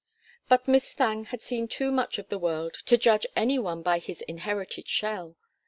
But Miss Thangue had seen too much of the world to judge any one by his inherited shell.